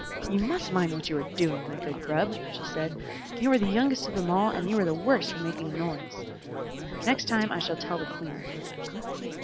"You must mind what you are doing, my good Grub," she said. "You are the youngest of them all, and you are the worst for making a noise. Next time I shall tell the Queen."